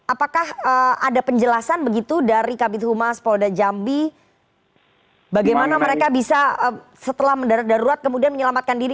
apakah ada penjelasan begitu dari kabit humas polda jambi bagaimana mereka bisa setelah mendarat darurat kemudian menyelamatkan diri